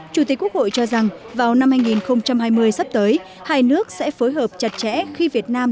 chủ tịch quốc hội cho rằng vào năm hai nghìn hai mươi sắp tới hai nước sẽ phối hợp chặt chẽ khi việt nam